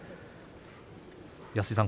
安井さん